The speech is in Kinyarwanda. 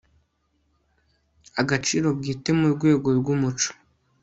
agaciro bwite mu rwego rw'umuco